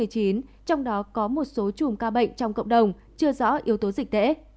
trong đó có một số chùm ca bệnh trong cộng đồng chưa rõ yếu tố dịch tễ